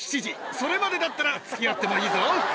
それまでだったらつきあってもいいぞ。